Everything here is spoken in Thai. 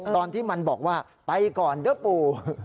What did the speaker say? ตอนที่มันบอกว่าไปก่อนเด้อปู่